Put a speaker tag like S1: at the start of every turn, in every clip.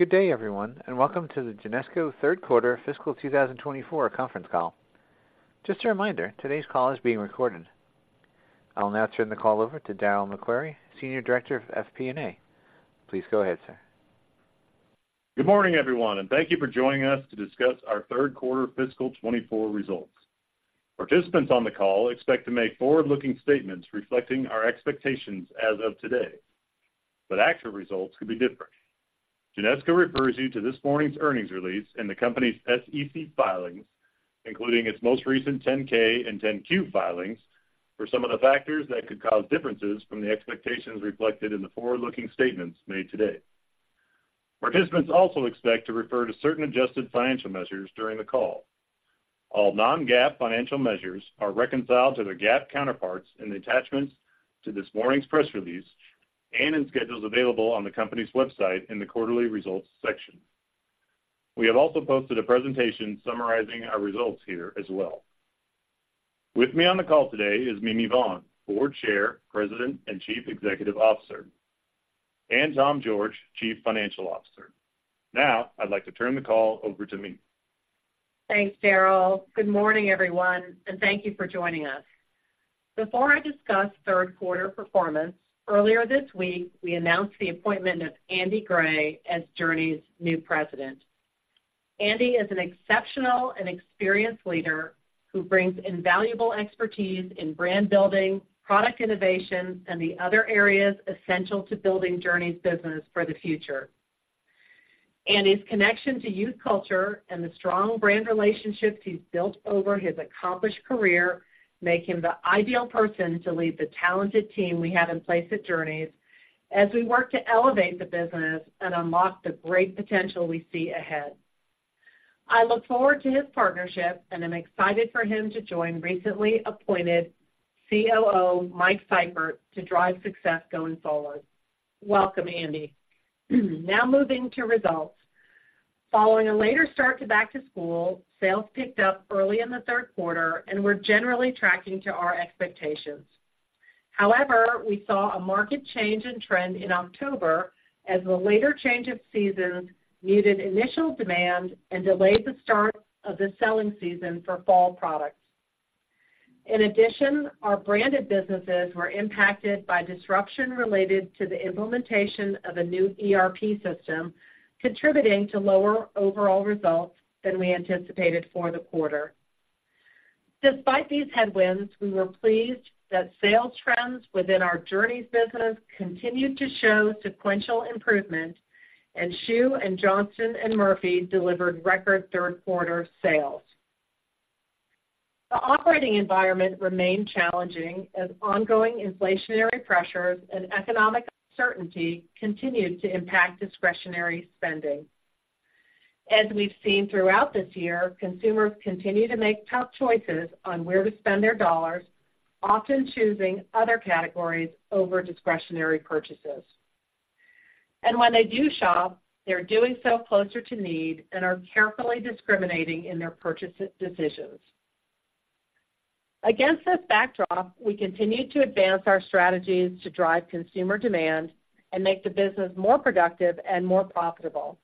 S1: Good day, everyone, and welcome to the Genesco third quarter fiscal 2024 conference call. Just a reminder, today's call is being recorded. I'll now turn the call over to Darryl MacQuarrie, Senior Director of FP&A. Please go ahead, sir.
S2: Good morning, everyone, and thank you for joining us to discuss our third quarter fiscal 2024 results. Participants on the call expect to make forward-looking statements reflecting our expectations as of today, but actual results could be different. Genesco refers you to this morning's earnings release and the company's SEC filings, including its most recent 10-K and 10-Q filings, for some of the factors that could cause differences from the expectations reflected in the forward-looking statements made today. Participants also expect to refer to certain adjusted financial measures during the call. All non-GAAP financial measures are reconciled to their GAAP counterparts in the attachments to this morning's press release and in schedules available on the company's website in the Quarterly Results section. We have also posted a presentation summarizing our results here as well. With me on the call today is Mimi Vaughn, Board Chair, President, and Chief Executive Officer, and Tom George, Chief Financial Officer. Now, I'd like to turn the call over to Mimi.
S3: Thanks, Darryl. Good morning, everyone, and thank you for joining us. Before I discuss third quarter performance, earlier this week, we announced the appointment of Andy Gray as Journeys' new president. Andy is an exceptional and experienced leader who brings invaluable expertise in brand building, product innovation, and the other areas essential to building Journeys' business for the future. Andy's connection to youth culture and the strong brand relationships he's built over his accomplished career make him the ideal person to lead the talented team we have in place at Journeys as we work to elevate the business and unlock the great potential we see ahead. I look forward to his partnership and am excited for him to join recently appointed COO, Mike Sypert, to drive success going forward. Welcome, Andy. Now moving to results. Following a later start to back-to-school, sales picked up early in the third quarter and were generally tracking to our expectations. However, we saw a market change in trend in October as the later change of seasons muted initial demand and delayed the start of the selling season for fall products. In addition, our branded businesses were impacted by disruption related to the implementation of a new ERP system, contributing to lower overall results than we anticipated for the quarter. Despite these headwinds, we were pleased that sales trends within our Journeys business continued to show sequential improvement, and Schuh and Johnston & Murphy delivered record third quarter sales. The operating environment remained challenging as ongoing inflationary pressures and economic uncertainty continued to impact discretionary spending. As we've seen throughout this year, consumers continue to make tough choices on where to spend their dollars, often choosing other categories over discretionary purchases. When they do shop, they're doing so closer to need and are carefully discriminating in their purchase decisions. Against this backdrop, we continued to advance our strategies to drive consumer demand and make the business more productive and more profitable.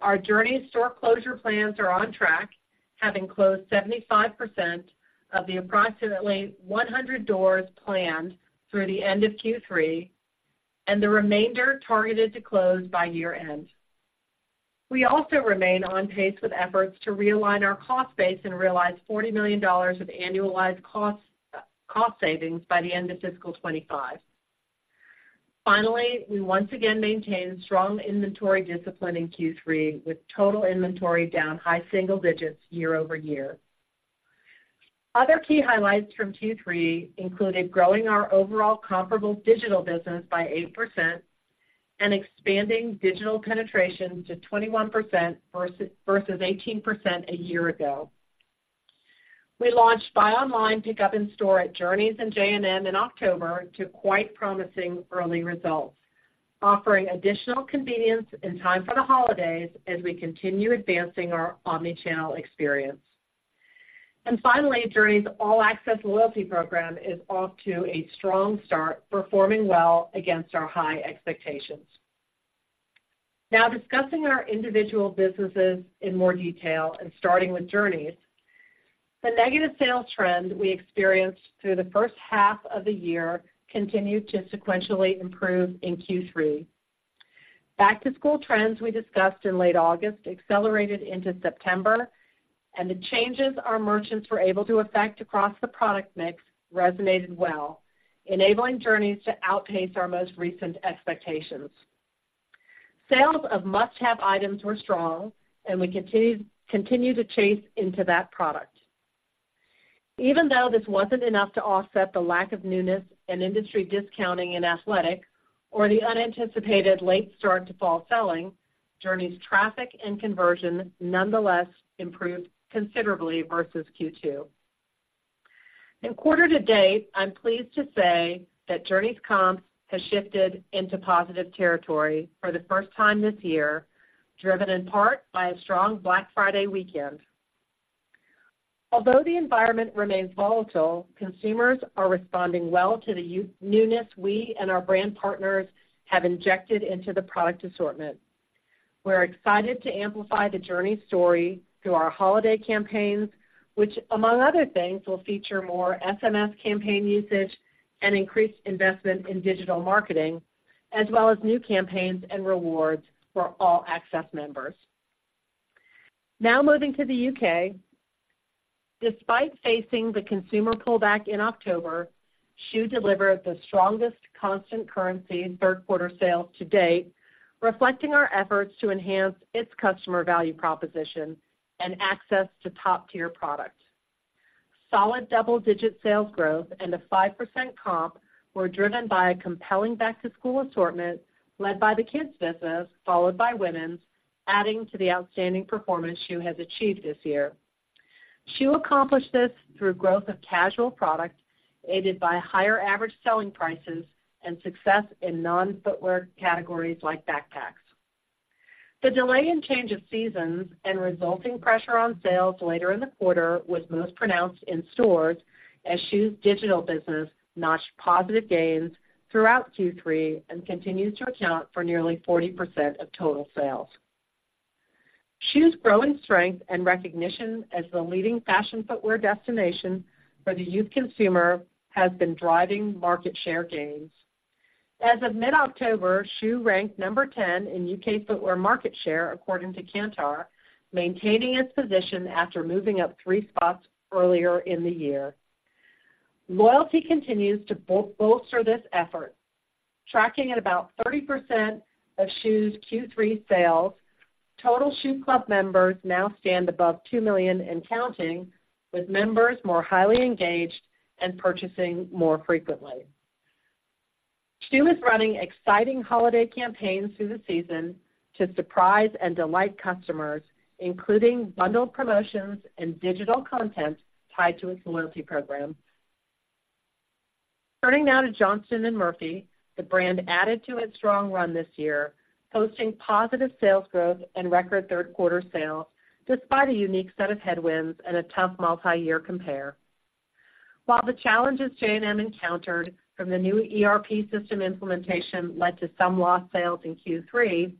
S3: Our Journeys store closure plans are on track, having closed 75% of the approximately 100 doors planned through the end of Q3, and the remainder targeted to close by year-end. We also remain on pace with efforts to realign our cost base and realize $40 million of annualized cost savings by the end of fiscal 2025. Finally, we once again maintained strong inventory discipline in Q3, with total inventory down high single digits year-over-year. Other key highlights from Q3 included growing our overall comparable digital business by 8% and expanding digital penetration to 21% versus 18% a year ago. We launched buy online, pickup in store at Journeys and J&M in October to quite promising early results, offering additional convenience and time for the holidays as we continue advancing our omni-channel experience. Finally, Journeys' All Access loyalty program is off to a strong start, performing well against our high expectations. Now discussing our individual businesses in more detail and starting with Journeys. The negative sales trend we eh the first half of the year continued to sequentially improve in Q3. Back-to-school trends we discussed in late August accelerated into September, and the changes our merchants were able to effect across the product mix resonated well, enabling Journeys to outpace our most recent expectations. Sales of must-have items were strong, and we continued, continue to chase into that product. Even though this wasn't enough to offset the lack of newness and industry discounting in athletic or the unanticipated late start to fall selling, Journeys traffic and conversion nonetheless improved considerably versus Q2. In quarter-to-date, I'm pleased to say that Journeys comps has shifted into positive territory for the first time this year, driven in part by a strong Black Friday weekend. Although the environment remains volatile, consumers are responding well to the newness we and our brand partners have injected into the product assortment. We're excited to amplify the Journeys story through our holiday campaigns, which, among other things, will feature more SMS campaign usage and increased investment in digital marketing, as well as new campaigns and rewards for All Access members. Now moving to the U.K. Despite facing the consumer pullback in October, Schuh delivered the strongest constant currency in third quarter sales to date, reflecting our efforts to enhance its customer value proposition and access to top-tier products. Solid double-digit sales growth and a 5% comp were driven by a compelling back-to-school assortment led by the kids business, followed by women's, adding to the outstanding performance Schuh has achieved this year. Schuh accomplished this through growth of casual product, aided by higher average selling prices and success in non-footwear categories like backpacks. The delay in change of seasons and resulting pressure on sales later in the quarter was most pronounced in stores, as Schuh's digital business notched positive gains throughout Q3 and continues to account for nearly 40% of total sales. Schuh's growing strength and recognition as the leading fashion footwear destination for the youth consumer has been driving market share gains. As of mid-October, Schuh ranked number 10 in U.K. footwear market share, according to Kantar, maintaining its position after moving up 3 spots earlier in the year. Loyalty continues to bolster this effort, tracking at about 30% of Schuh's Q3 sales. Total Schuh Club members now stand above 2 million and counting, with members more highly engaged and purchasing more frequently. Schuh is running exciting holiday campaigns through the season to surprise and delight customers, including bundled promotions and digital content tied to its loyalty program. Turning now to Johnston & Murphy. The brand added to its strong run this year, posting positive sales growth and record third quarter sales, despite a unique set of headwinds and a tough multiyear compare. While the challenges J&M encountered from the new ERP system implementation led to some lost sales in Q3,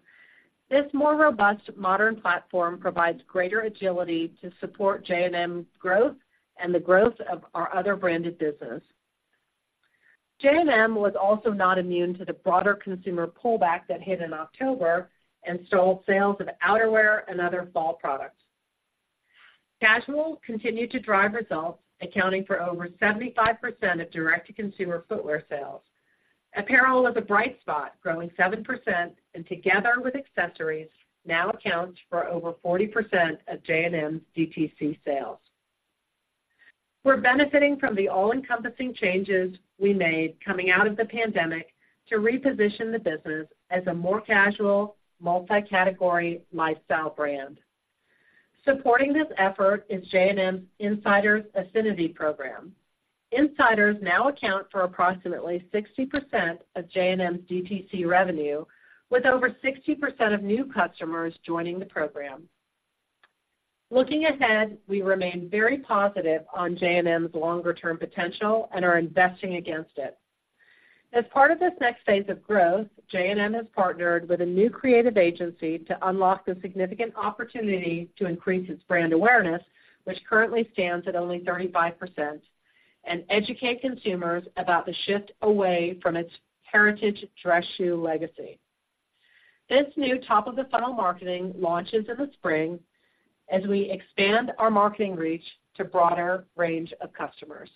S3: this more robust, modern platform provides greater agility to support J&M growth and the growth of our other branded business. J&M was also not immune to the broader consumer pullback that hit in October and stalled sales of outerwear and other fall products. Casual continued to drive results, accounting for over 75% of direct-to-consumer footwear sales. Apparel was a bright spot, growing 7%, and together with accessories, now accounts for over 40% of J&M's DTC sales. We're benefiting from the all-encompassing changes we made coming out of the pandemic to reposition the business as a more casual, multi-category lifestyle brand. Supporting this effort is J&M's Insiders affinity program. Insiders now account for approximately 60% of J&M's DTC revenue, with over 60% of new customers joining the program. Looking ahead, we remain very positive on J&M's longer-term potential and are investing against it. As part of this next phase of growth, J&M has partnered with a new creative agency to unlock the significant opportunity to increase its brand awareness, which currently stands at only 35%, and educate consumers about the shift away from its heritage dress shoe legacy. This new top-of-the-funnel marketing launches in the spring as we expand our marketing reach to broader range of customers.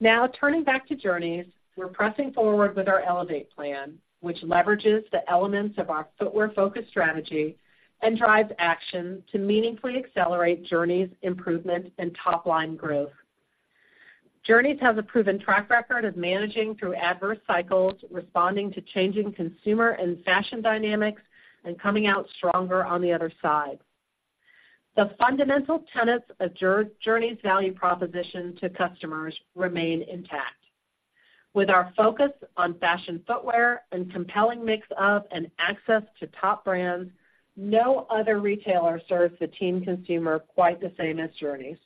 S3: Now, turning back to Journeys, we're pressing forward with our Elevate plan, which leverages the elements of our footwear-focused strategy and drives action to meaningfully accelerate Journeys' improvement and top-line growth. Journeys has a proven track record of managing through adverse cycles, responding to changing consumer and fashion dynamics, and coming out stronger on the other side. The fundamental tenets of Journeys' value proposition to customers remain intact. With our focus on fashion footwear, and compelling mix of and access to top brands, no other retailer serves the teen consumer quite the same as Journeys.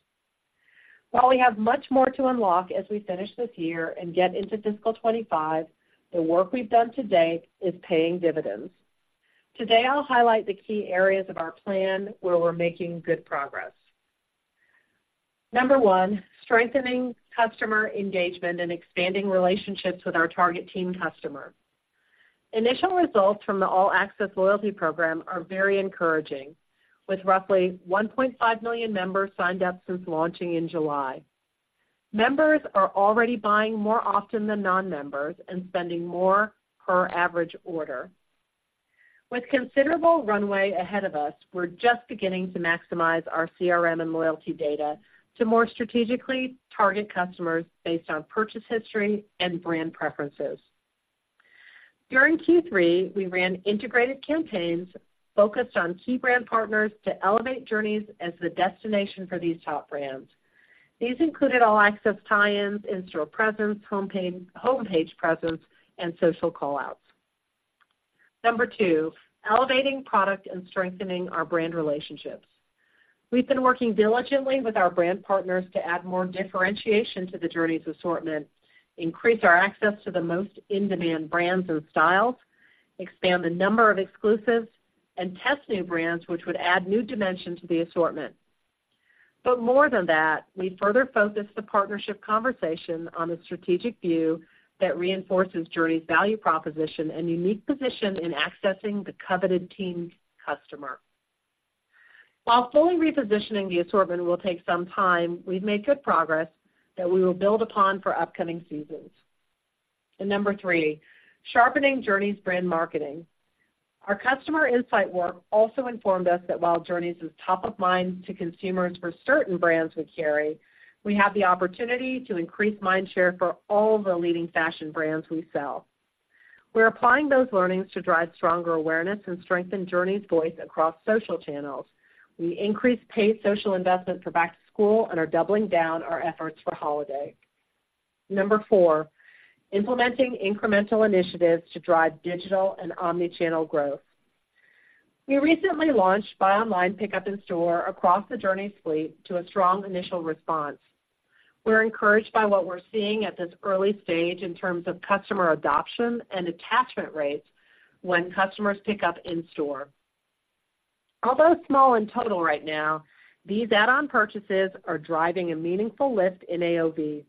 S3: While we have much more to unlock as we finish this year and get into fiscal 2025, the work we've done to date is paying dividends. Today, I'll highlight the key areas of our plan where we're making good progress. Number 1, strengthening customer engagement and expanding relationships with our target teen customer. Initial results from the All Access loyalty program are very encouraging, with roughly 1.5 million members signed up since launching in July. Members are already buying more often than non-members and spending more per average order. With considerable runway ahead of us, we're just beginning to maximize our CRM and loyalty data to more strategically target customers based on purchase history and brand preferences. During Q3, we ran integrated campaigns focused on key brand partners to elevate Journeys as the destination for these top brands. These included All Access tie-ins, in-store presence, homepage, home page presence, and social call-outs. Number two, elevating product and strengthening our brand relationships. We've been working diligently with our brand partners to add more differentiation to the Journeys assortment, increase our access to the most in-demand brands and styles, expand the number of exclusives, and test new brands which would add new dimension to the assortment. But more than that, we further focused the partnership conversation on a strategic view that reinforces Journeys' value proposition and unique position in accessing the coveted teen customer. While fully repositioning the assortment will take some time, we've made good progress that we will build upon for upcoming seasons. Number three, sharpening Journeys' brand marketing. Our customer insight work also informed us that while Journeys is top of mind to consumers for certain brands we carry, we have the opportunity to increase mind share for all the leading fashion brands we sell. We're applying those learnings to drive stronger awareness and strengthen Journeys' voice across social channels. We increased paid social investment for back to school and are doubling down our efforts for holiday. Number four, implementing incremental initiatives to drive digital and omni-channel growth. We recently launched buy online, pickup in store across the Journeys fleet to a strong initial response. We're encouraged by what we're seeing at this early stage in terms of customer adoption and attachment rates when customers pick up in store. Although small in total right now, these add-on purchases are driving a meaningful lift in AOV.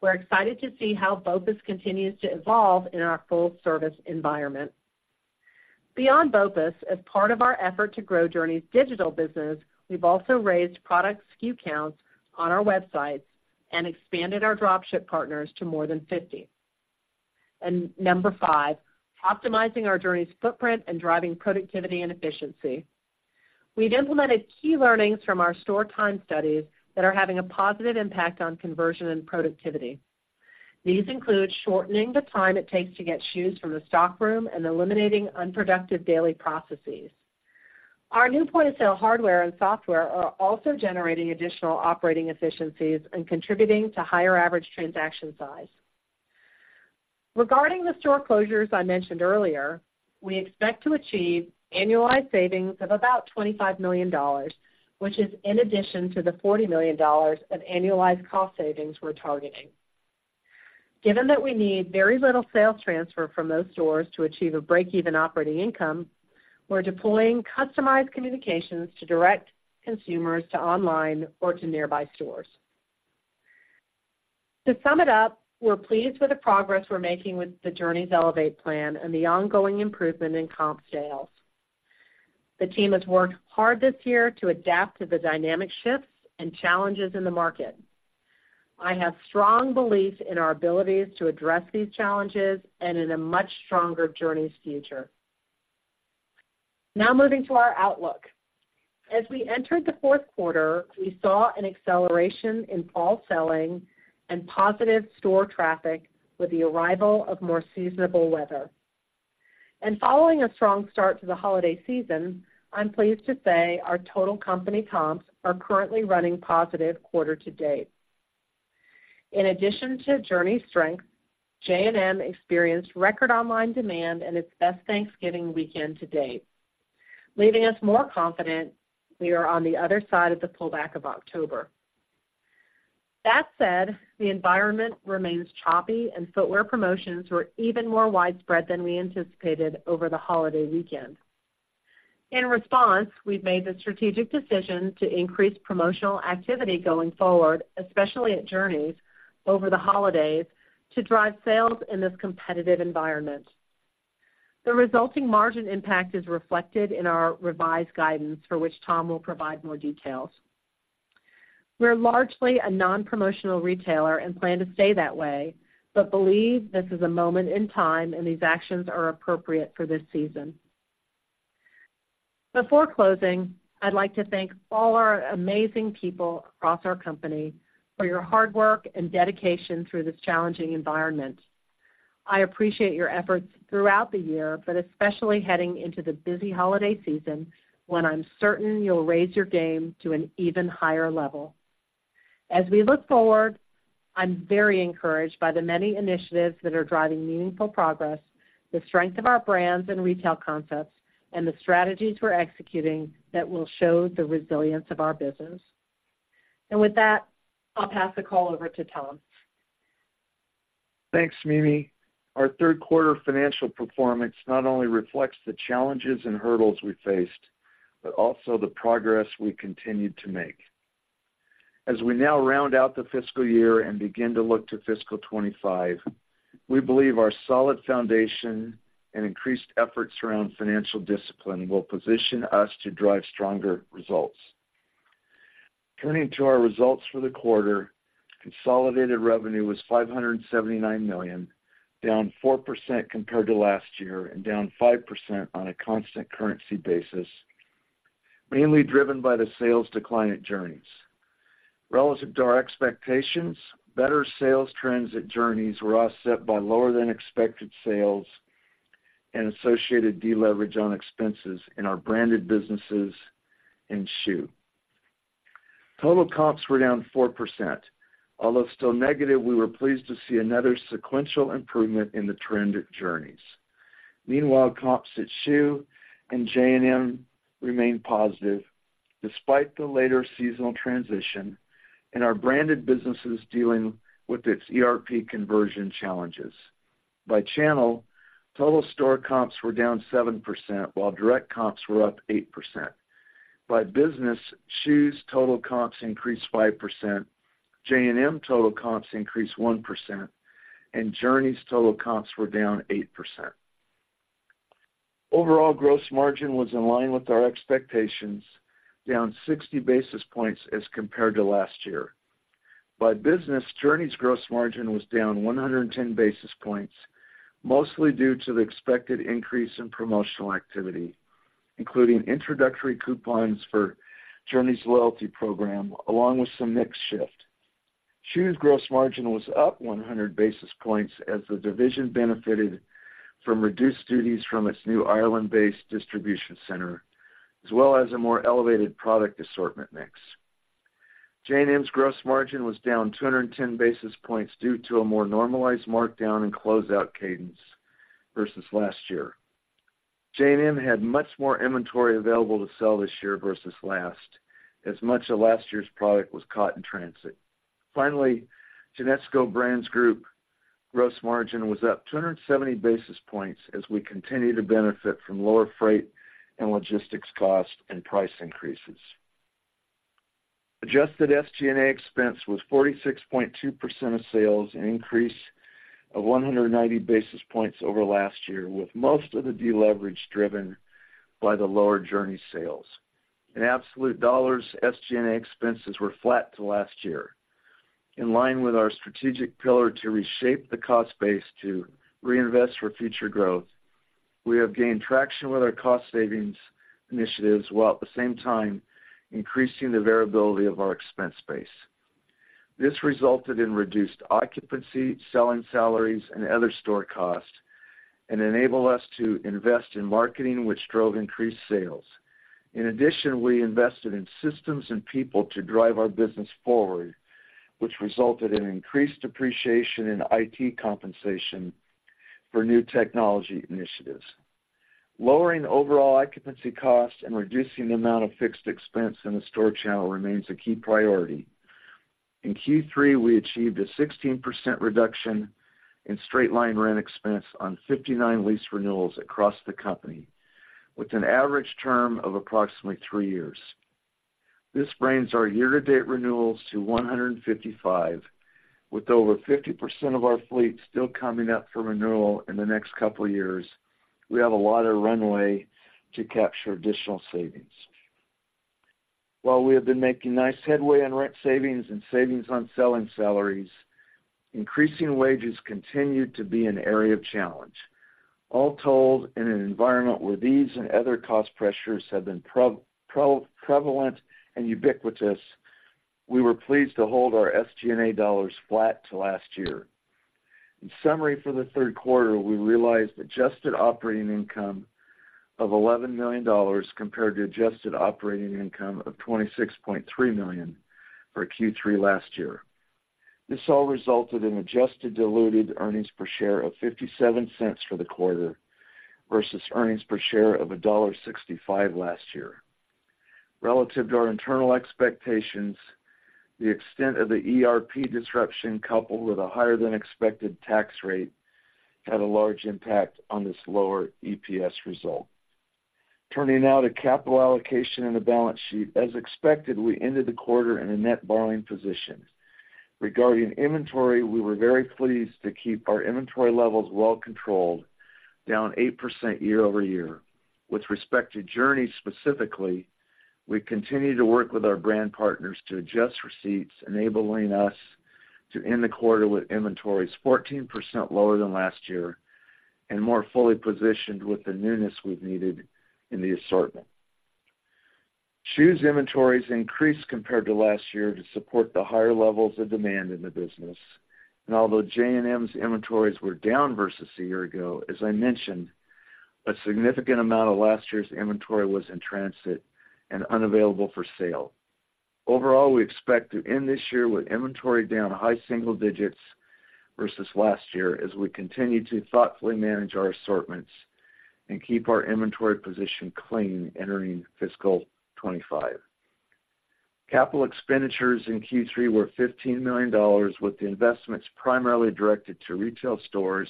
S3: We're excited to see how BOPUS continues to evolve in our full service environment. Beyond BOPUS, as part of our effort to grow Journeys' digital business, we've also raised product SKU counts on our websites and expanded our drop ship partners to more than 50. And number five, optimizing our Journeys footprint and driving productivity and efficiency. We've implemented key learnings from our store time studies that are having a positive impact on conversion and productivity. These include shortening the time it takes to get shoes from the stock room and eliminating unproductive daily processes. Our new point-of-sale hardware and software are also generating additional operating efficiencies and contributing to higher average transaction size. Regarding the store closures I mentioned earlier, we expect to achieve annualized savings of about $25 million, which is in addition to the $40 million of annualized cost savings we're targeting. Given that we need very little sales transfer from those stores to achieve a break-even operating income, we're deploying customized communications to direct consumers to online or to nearby stores. To sum it up, we're pleased with the progress we're making with the Journeys Elevate plan and the ongoing improvement in comp sales. The team has worked hard this year to adapt to the dynamic shifts and challenges in the market. I have strong belief in our abilities to address these challenges and in a much stronger Journeys future. Now, moving to our outlook. As we entered the fourth quarter, we saw an acceleration in fall selling and positive store traffic with the arrival of more seasonable weather. And following a strong start to the holiday season, I'm pleased to say our total company comps are currently running positive quarter to date. In addition to Journeys' strength, J&M experienced record online demand and its best Thanksgiving weekend to date, leaving us more confident we are on the other side of the pullback of October. That said, the environment remains choppy, and footwear promotions were even more widespread than we anticipated over the holiday weekend. In response, we've made the strategic decision to increase promotional activity going forward, especially at Journeys over the holidays, to drive sales in this competitive environment. The resulting margin impact is reflected in our revised guidance, for which Tom will provide more details. We're largely a non-promotional retailer and plan to stay that way, but believe this is a moment in time, and these actions are appropriate for this season. Before closing, I'd like to thank all our amazing people across our company for your hard work and dedication through this challenging environment. I appreciate your efforts throughout the year, but especially heading into the busy holiday season, when I'm certain you'll raise your game to an even higher level. As we look forward, I'm very encouraged by the many initiatives that are driving meaningful progress, the strength of our brands and retail concepts, and the strategies we're executing that will show the resilience of our business. With that, I'll pass the call over to Tom.
S4: Thanks, Mimi. Our third quarter financial performance not only reflects the challenges and hurdles we faced, but also the progress we continued to make. As we now round out the fiscal year and begin to look to fiscal 2025, we believe our solid foundation and increased efforts around financial discipline will position us to drive stronger results. Turning to our results for the quarter, consolidated revenue was $579 million, down 4% compared to last year and down 5% on a constant currency basis, mainly driven by the sales decline at Journeys. Relative to our expectations, better sales trends at Journeys were offset by lower than expected sales and associated deleverage on expenses in our branded businesses and Schuh. Total comps were down 4%. Although still negative, we were pleased to see another sequential improvement in the trend at Journeys. Meanwhile, comps at Schuh and J&M remained positive despite the later seasonal transition and our branded businesses dealing with its ERP conversion challenges. By channel, total store comps were down 7%, while direct comps were up 8%. By business, Schuh's total comps increased 5%, J&M total comps increased 1%, and Journeys total comps were down 8%. Overall gross margin was in line with our expectations, down 60 basis points as compared to last year. By business, Journeys' gross margin was down 110 basis points, mostly due to the expected increase in promotional activity, including introductory coupons for Journeys' loyalty program, along with some mix shift. Schuh's gross margin was up 100 basis points as the division benefited from reduced duties from its new Ireland-based distribution center, as well as a more elevated product assortment mix. J&M's gross margin was down 210 basis points due to a more normalized markdown and closeout cadence versus last year. J&M had much more inventory available to sell this year versus last, as much of last year's product was caught in transit. Finally, Genesco Brands Group gross margin was up 270 basis points as we continue to benefit from lower freight and logistics costs and price increases. Adjusted SG&A expense was 46.2% of sales, an increase of 190 basis points over last year, with most of the deleverage driven by the lower Journeys sales. In absolute dollars, SG&A expenses were flat to last year. In line with our strategic pillar to reshape the cost base to reinvest for future growth, we have gained traction with our cost savings initiatives, while at the same time, increasing the variability of our expense base. This resulted in reduced occupancy, selling salaries, and other store costs, and enabled us to invest in marketing, which drove increased sales. In addition, we invested in systems and people to drive our business forward, which resulted in increased depreciation and IT compensation for new technology initiatives. Lowering overall occupancy costs and reducing the amount of fixed expense in the store channel remains a key priority. In Q3, we achieved a 16% reduction in straight line rent expense on 59 lease renewals across the company, with an average term of approximately three years. This brings our year-to-date renewals to 155. With over 50% of our fleet still coming up for renewal in the next couple of years, we have a lot of runway to capture additional savings. While we have been making nice headway on rent savings and savings on selling salaries, increasing wages continue to be an area of challenge. All told, in an environment where these and other cost pressures have been prevalent and ubiquitous, we were pleased to hold our SG&A dollars flat to last year. In summary, for the third quarter, we realized adjusted operating income of $11 million compared to adjusted operating income of $26.3 million for Q3 last year. This all resulted in adjusted diluted earnings per share of $0.57 for the quarter, versus earnings per share of $1.65 last year. Relative to our internal expectations, the extent of the ERP disruption, coupled with a higher-than-expected tax rate, had a large impact on this lower EPS result. Turning now to capital allocation and the balance sheet. As expected, we ended the quarter in a net borrowing position. Regarding inventory, we were very pleased to keep our inventory levels well controlled, down 8% year-over-year. With respect to Journeys specifically, we continue to work with our brand partners to adjust receipts, enabling us to end the quarter with inventories 14% lower than last year and more fully positioned with the newness we've needed in the assortment. Schuh's inventories increased compared to last year to support the higher levels of demand in the business. Although J&M's inventories were down versus a year ago, as I mentioned, a significant amount of last year's inventory was in transit and unavailable for sale. Overall, we expect to end this year with inventory down high single digits versus last year, as we continue to thoughtfully manage our assortments and keep our inventory position clean entering fiscal 2025. Capital expenditures in Q3 were $15 million, with the investments primarily directed to retail stores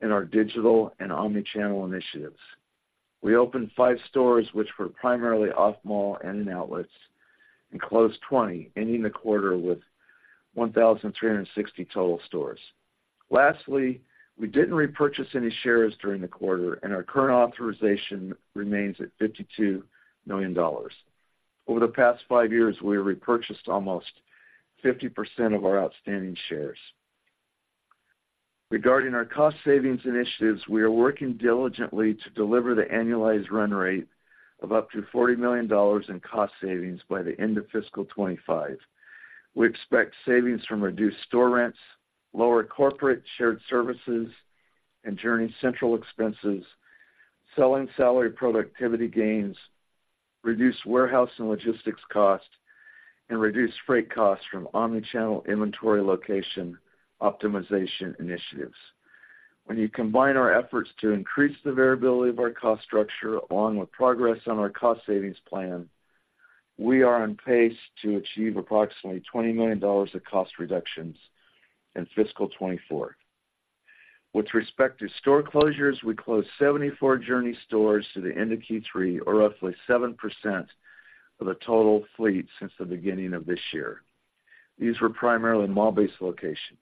S4: and our digital and omni-channel initiatives. We opened 5 stores, which were primarily off-mall and in outlets, and closed 20, ending the quarter with 1,360 total stores. Lastly, we didn't repurchase any shares during the quarter, and our current authorization remains at $52 million. Over the past five years, we repurchased almost 50% of our outstanding shares. Regarding our cost savings initiatives, we are working diligently to deliver the annualized run rate of up to $40 million in cost savings by the end of fiscal 2025. We expect savings from reduced store rents, lower corporate shared services and Journeys central expenses, selling salary productivity gains, reduced warehouse and logistics costs, and reduced freight costs from omni-channel inventory location optimization initiatives. When you combine our efforts to increase the variability of our cost structure, along with progress on our cost savings plan, we are on pace to achieve approximately $20 million of cost reductions in fiscal 2024. With respect to store closures, we closed 74 Journeys stores to the end of Q3, or roughly 7% of the total fleet since the beginning of this year. These were primarily mall-based locations.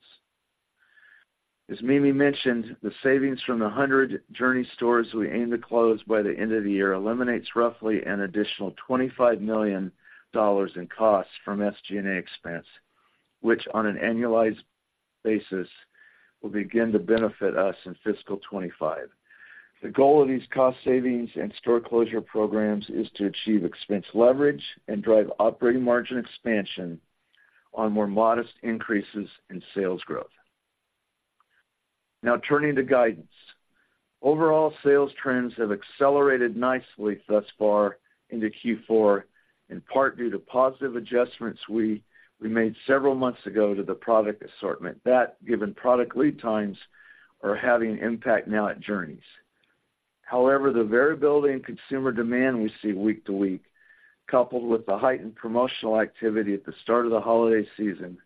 S4: As Mimi mentioned, the savings from the 100 Journeys stores we aim to close by the end of the year eliminates roughly an additional $25 million in costs from SG&A expense, which, on an annualized basis, will begin to benefit us in fiscal 2025. The goal of these cost savings and store closure programs is to achieve expense leverage and drive operating margin expansion on more modest increases in sales growth. Now, turning to guidance. Overall, sales trends have accelerated nicely thus far into Q4, in part due to positive adjustments we made several months ago to the product assortment. That, given product lead times, are having an impact now at Journeys. However, the variability in consumer demand we see week to week, coupled with the heightened promotional activity at the start of the holiday season,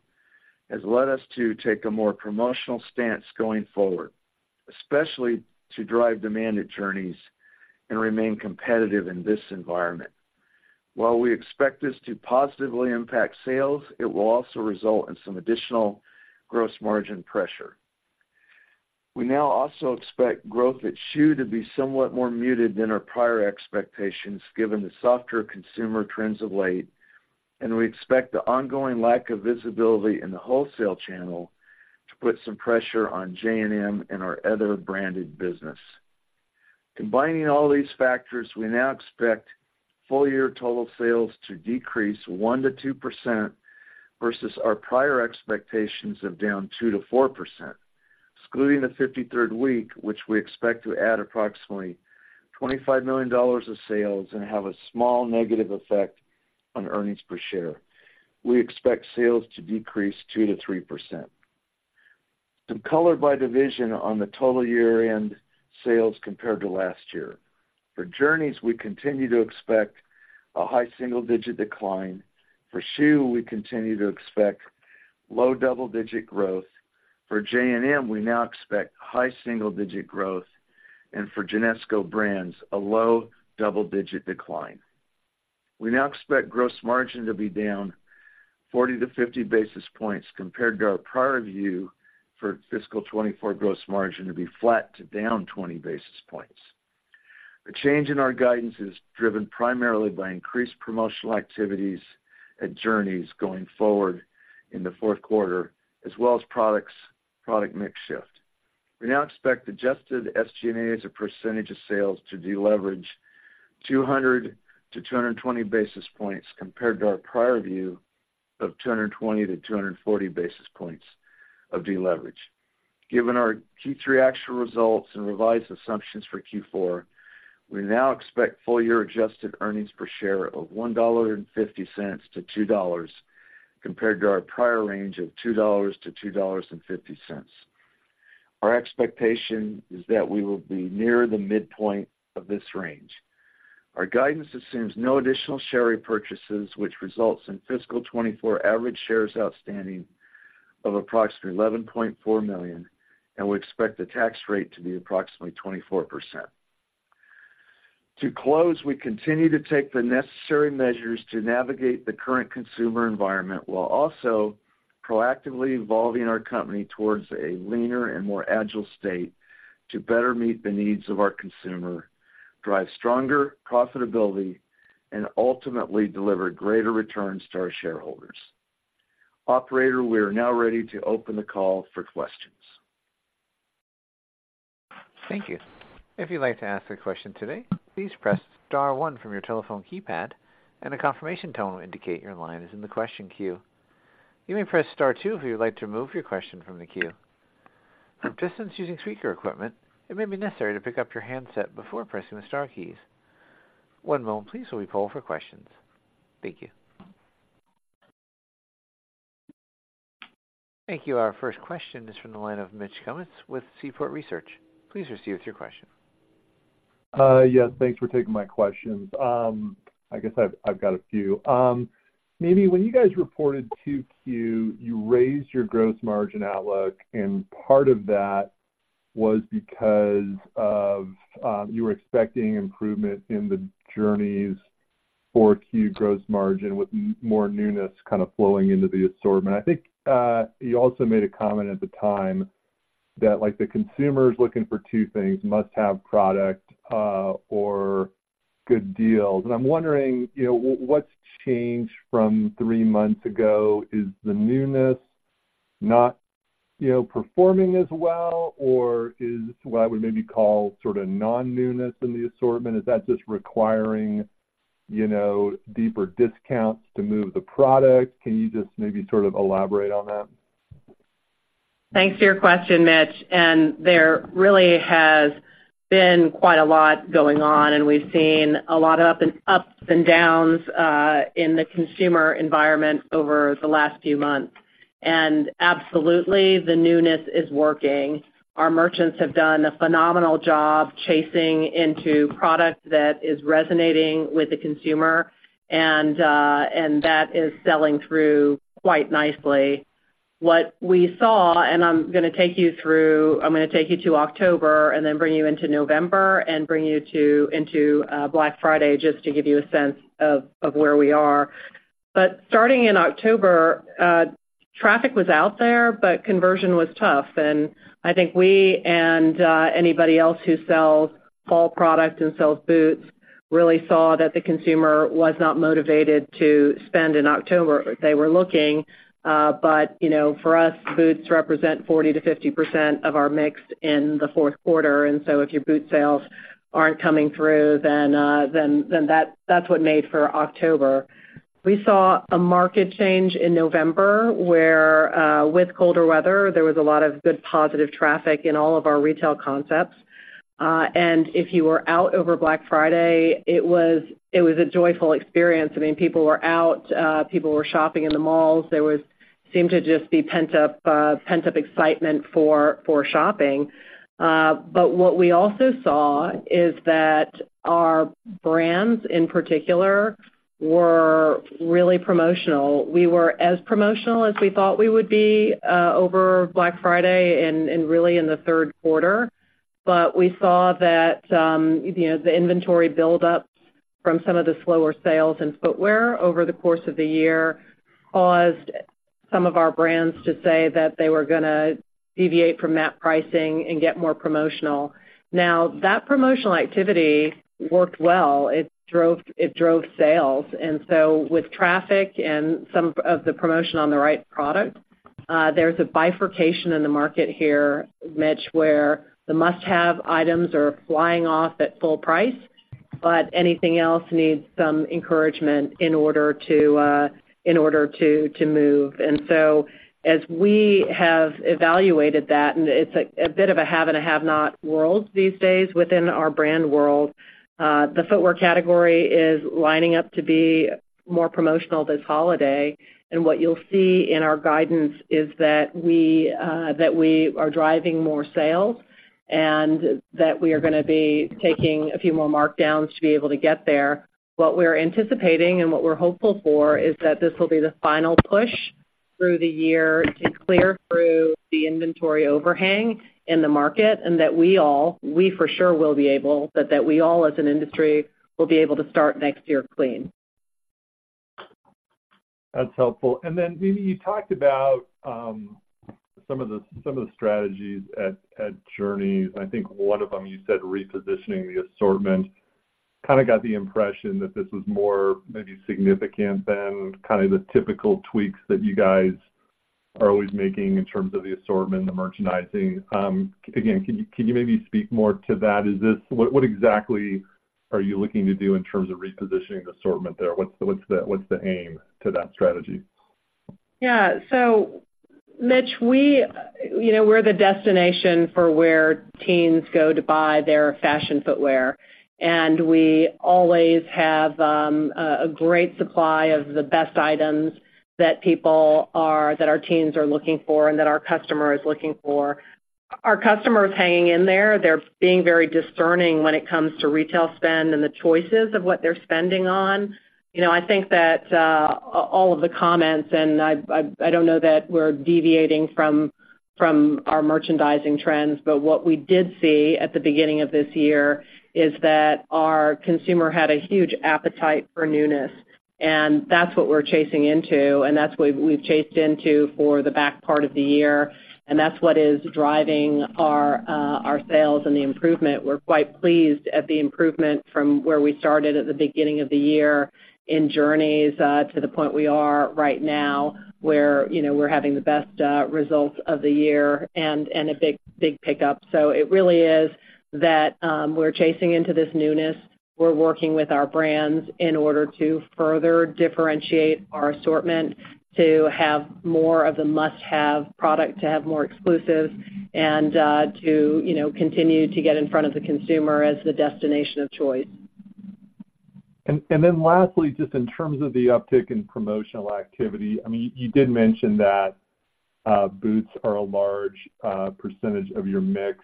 S4: has led us to take a more promotional stance going forward, especially to drive demand at Journeys and remain competitive in this environment. While we expect this to positively impact sales, it will also result in some additional gross margin pressure. We now also expect growth at Schuh to be somewhat more muted than our prior expectations, given the softer consumer trends of late, and we expect the ongoing lack of visibility in the wholesale channel to put some pressure on J&M and our other branded business. Combining all these factors, we now expect full-year total sales to decrease 1%-2% versus our prior expectations of down 2%-4%. Excluding the 53rd week, which we expect to add approximately $25 million of sales and have a small negative effect on earnings per share, we expect sales to decrease 2%-3%. Some color by division on the total year-end sales compared to last year. For Journeys, we continue to expect a high single-digit decline. For Schuh, we continue to expect low double-digit growth. For J&M, we now expect high single-digit growth, and for Genesco Brands, a low double-digit decline. We now expect gross margin to be down 40-50 basis points compared to our prior view for fiscal 2024 gross margin to be flat to down 20 basis points. The change in our guidance is driven primarily by increased promotional activities at Journeys going forward in the fourth quarter, as well as product mix shift. We now expect adjusted SG&A as a percentage of sales to deleverage 200-220 basis points, compared to our prior view of 220-240 basis points of deleverage. Given our Q3 actual results and revised assumptions for Q4, we now expect full-year adjusted earnings per share of $1.50-$2.00, compared to our prior range of $2.00-$2.50. Our expectation is that we will be near the midpoint of this range. Our guidance assumes no additional share repurchases, which results in fiscal 2024 average shares outstanding of approximately 11.4 million, and we expect the tax rate to be approximately 24%. To close, we continue to take the necessary measures to navigate the current consumer environment, while also proactively evolving our company towards a leaner and more agile state to better meet the needs of our consumer, drive stronger profitability, and ultimately deliver greater returns to our shareholders. Operator, we are now ready to open the call for questions.
S1: Thank you. If you'd like to ask a question today, please press star one from your telephone keypad, and a confirmation tone will indicate your line is in the question queue. You may press Star two if you'd like to remove your question from the queue. For participants using speaker equipment, it may be necessary to pick up your handset before pressing the star keys. One moment please, while we poll for questions. Thank you. Thank you. Our first question is from the line of Mitch Kummetz with Seaport Research. Please proceed with your question.
S5: Yes, thanks for taking my questions. I guess I've got a few. Mimi, when you guys reported 2Q, you raised your gross margin outlook, and part of that was because of you were expecting improvement in the Journeys' 4Q gross margin with more newness kind of flowing into the assortment. I think you also made a comment at the time that, like, the consumer is looking for two things: must-have product or good deals. I'm wondering, you know, what's changed from three months ago? Is the newness not, you know, performing as well, or is what I would maybe call sort of non-newness in the assortment, is that just requiring you know, deeper discounts to move the product? Can you just maybe sort of elaborate on that?
S3: Thanks for your question, Mitch. And there really has been quite a lot going on, and we've seen a lot of ups and downs in the consumer environment over the last few months. And absolutely, the newness is working. Our merchants have done a phenomenal job chasing into product that is resonating with the consumer, and that is selling through quite nicely. What we saw, and I'm gonna take you through. I'm gonna take you to October and then bring you into November and bring you to into Black Friday, just to give you a sense of where we are. But starting in October, traffic was out there, but conversion was tough. And I think we and anybody else who sells fall product and sells boots really saw that the consumer was not motivated to spend in October. They were looking, but, you know, for us, boots represent 40%-50% of our mix in the fourth quarter. So if your boot sales aren't coming through, then that's what made for October. We saw a market change in November, where, with colder weather, there was a lot of good positive traffic in all of our retail concepts. And if you were out over Black Friday, it was a joyful experience. I mean, people were out, people were shopping in the malls. There seemed to just be pent-up excitement for shopping. But what we also saw is that our brands, in particular, were really promotional. We were as promotional as we thought we would be over Black Friday and really in the third quarter. But we saw that, you know, the inventory build-ups from some of the slower sales in footwear over the course of the year caused some of our brands to say that they were gonna deviate from that pricing and get more promotional. Now, that promotional activity worked well. It drove, it drove sales. And so with traffic and some of the promotion on the right product, there's a bifurcation in the market here, Mitch, where the must-have items are flying off at full price, but anything else needs some encouragement in order to, in order to, to move. And so as we have evaluated that, and it's a, a bit of a have and a have-not world these days within our brand world, the footwear category is lining up to be more promotional this holiday. What you'll see in our guidance is that we, that we are driving more sales, and that we are gonna be taking a few more markdowns to be able to get there. What we're anticipating and what we're hopeful for is that this will be the final push through the year to clear through the inventory overhang in the market, and that we all, we for sure will be able, but that we all, as an industry, will be able to start next year clean.
S5: That's helpful. Then Mimi, you talked about some of the strategies at Journeys. I think one of them, you said, repositioning the assortment. Kind of got the impression that this was more maybe significant than kind of the typical tweaks that you guys are always making in terms of the assortment, the merchandising. Again, can you maybe speak more to that? Is this—what, what exactly are you looking to do in terms of repositioning the assortment there? What's the aim to that strategy?
S3: Yeah. So Mitch, we, you know, we're the destination for where teens go to buy their fashion footwear, and we always have a great supply of the best items that our teens are looking for and that our customer is looking for. Our customer is hanging in there. They're being very discerning when it comes to retail spend and the choices of what they're spending on. You know, I think that all of the comments, and I don't know that we're deviating from our merchandising trends. But what we did see at the beginning of this year is that our consumer had a huge appetite for newness, and that's what we're chasing into, and that's what we've chased into for the back part of the year, and that's what is driving our sales and the improvement. We're quite pleased at the improvement from where we started at the beginning of the year in Journeys to the point we are right now, where, you know, we're having the best results of the year and a big, big pickup. So it really is that we're chasing into this newness. We're working with our brands in order to further differentiate our assortment, to have more of the must-have product, to have more exclusives, and to, you know, continue to get in front of the consumer as the destination of choice.
S5: And then lastly, just in terms of the uptick in promotional activity, I mean, you did mention that boots are a large percentage of your mix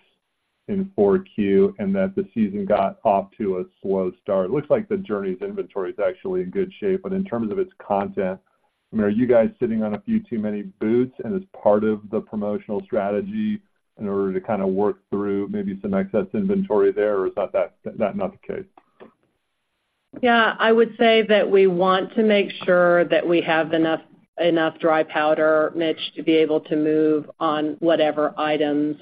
S5: in 4Q, and that the season got off to a slow start. It looks like the Journeys' inventory is actually in good shape, but in terms of its content, I mean, are you guys sitting on a few too many boots and is part of the promotional strategy in order to kind of work through maybe some excess inventory there, or is that not the case?
S3: Yeah, I would say that we want to make sure that we have enough dry powder, Mitch, to be able to move on whatever items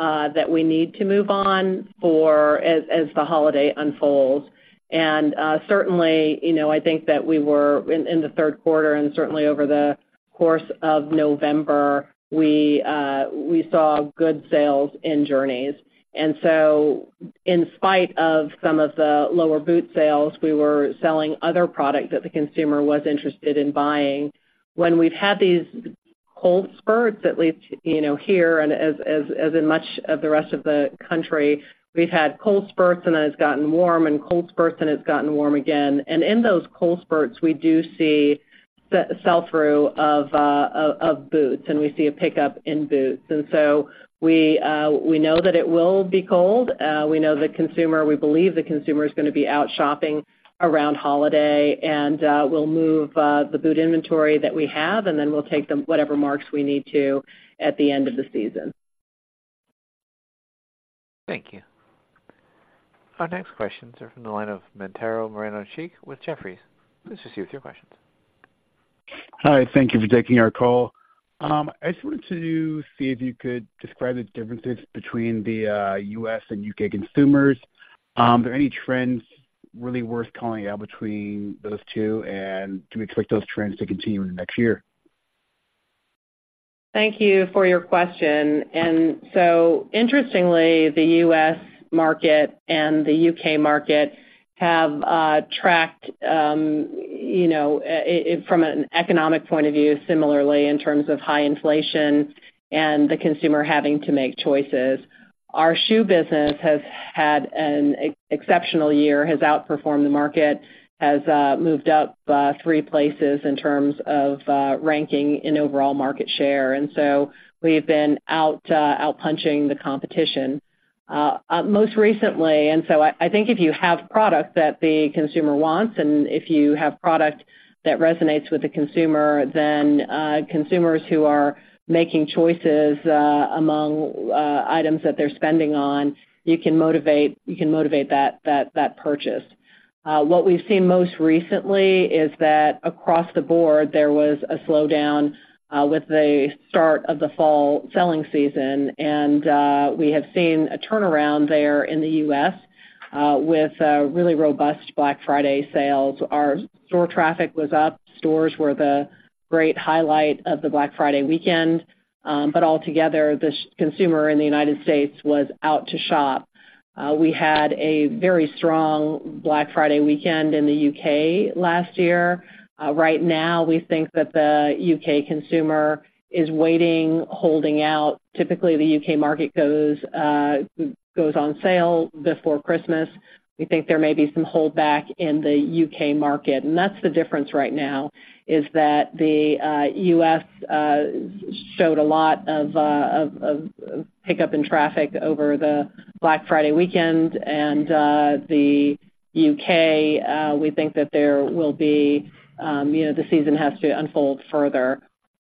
S3: that we need to move on as the holiday unfolds. And certainly, you know, I think that we were in the third quarter and certainly over the course of November, we saw good sales in Journeys. And so in spite of some of the lower boot sales, we were selling other product that the consumer was interested in buying. When we've had these cold spurts, at least, you know, here and as in much of the rest of the country, we've had cold spurts, and then it's gotten warm, and cold spurts, and it's gotten warm again. In those cold spurts, we do see the sell-through of boots, and we see a pickup in boots. So we know that it will be cold. We know the consumer. We believe the consumer is gonna be out shopping around holiday, and we'll move the boot inventory that we have, and then we'll take them, whatever marks we need to, at the end of the season.
S1: Thank you. Our next questions are from the line of Mantero Moreno-Cheek with Jefferies. Please proceed with your questions.
S6: Hi, thank you for taking our call. I just wanted to see if you could describe the differences between the U.S. and U.K. consumers? Are there any trends really worth calling out between those two? Can we expect those trends to continue in the next year?
S3: Thank you for your question. And so, interestingly, the U.S. market and the U.K. market have tracked, you know, it, from an economic point of view, similarly, in terms of high inflation and the consumer having to make choices. Our shoe business has had an exceptional year, has outperformed the market, has moved up three places in terms of ranking in overall market share, and so we've been out-punching the competition most recently. And so I think if you have product that the consumer wants, and if you have product that resonates with the consumer, then consumers who are making choices among items that they're spending on, you can motivate that purchase. What we've seen most recently is that across the board, there was a slowdown with the start of the fall selling season, and we have seen a turnaround there in the U.S. with a really robust Black Friday sales. Our store traffic was up. Stores were the great highlight of the Black Friday weekend. But altogether, the consumer in the United States was out to shop. We had a very strong Black Friday weekend in the U.K. last year. Right now, we think that the U.K. consumer is waiting, holding out. Typically, the U.K. market goes on sale before Christmas. We think there may be some holdback in the U.K. market, and that's the difference right now, is that the U.S. showed a lot of pickup in traffic over the Black Friday weekend. The U.K., we think that there will be, you know, the season has to unfold further.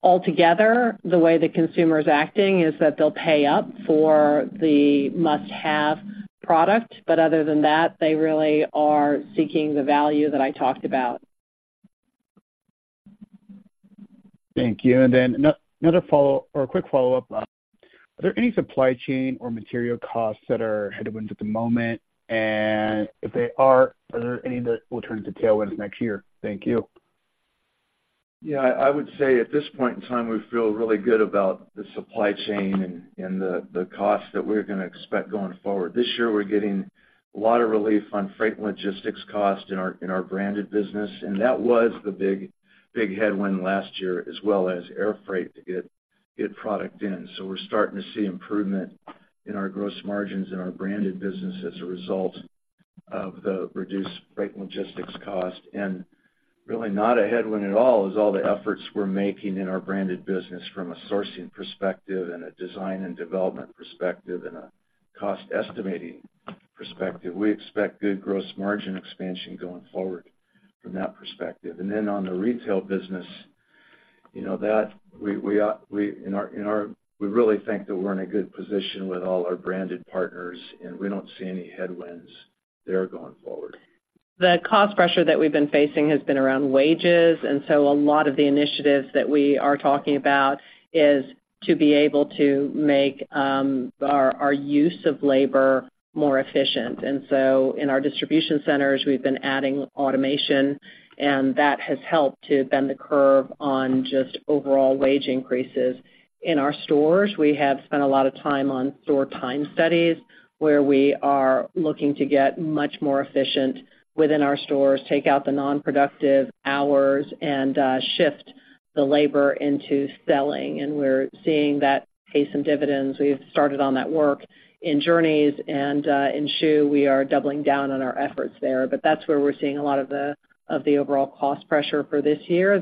S3: Altogether, the way the consumer is acting is that they'll pay up for the must-have product, but other than that, they really are seeking the value that I talked about.
S6: Thank you. And then another follow-up or a quick follow-up. Are there any supply chain or material costs that are headwinds at the moment? And if they are, are there any that will turn into tailwinds next year? Thank you.
S4: Yeah, I would say at this point in time, we feel really good about the supply chain and the costs that we're gonna expect going forward. This year, we're getting a lot of relief on freight and logistics costs in our branded business, and that was the big, big headwind last year, as well as air freight to get product in. So we're starting to see improvement in our gross margins in our branded business as a result of the reduced freight and logistics cost. And really, not a headwind at all, is all the efforts we're making in our branded business from a sourcing perspective and a design and development perspective, and a cost estimating perspective. We expect good gross margin expansion going forward from that perspective. And then on the retail business, you know, we really think that we're in a good position with all our brand partners, and we don't see any headwinds there going forward.
S3: The cost pressure that we've been facing has been around wages, and so a lot of the initiatives that we are talking about is to be able to make our use of labor more efficient. And so in our distribution centers, we've been adding automation, and that has helped to bend the curve on just overall wage increases. In our stores, we have spent a lot of time on store time studies, where we are looking to get much more efficient within our stores, take out the non-productive hours, and shift the labor into selling. And we're seeing that pay some dividends. We've started on that work in Journeys and in Schuh, we are doubling down on our efforts there. That's where we're seeing a lot of the overall cost pressure for this year.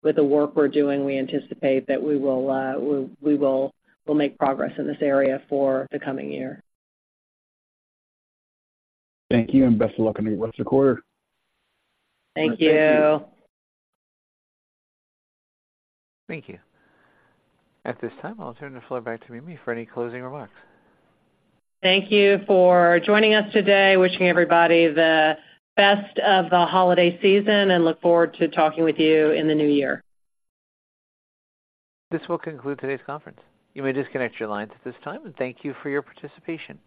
S3: With the work we're doing, we anticipate that we will make progress in this area for the coming year.
S6: Thank you, and best of luck on the rest of the quarter.
S3: Thank you.
S4: Thank you.
S1: Thank you. At this time, I'll turn the floor back to Mimi for any closing remarks.
S3: Thank you for joining us today. Wishing everybody the best of the holiday season, and look forward to talking with you in the new year.
S1: This will conclude today's conference. You may disconnect your lines at this time, and thank you for your participation.